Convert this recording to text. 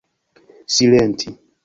silenti